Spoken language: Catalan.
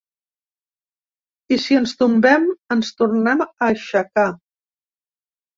I si ens tombem, ens tornem aixecar.